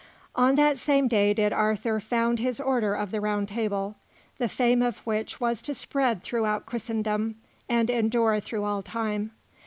On that same day did Arthur found his Order of the Round Table, the fame of which was to spread throughout Christendom and endure through all time.